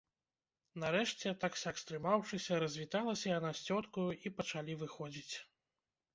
Нарэшце, так-сяк стрымаўшыся, развіталася яна з цёткаю, і пачалі выходзіць.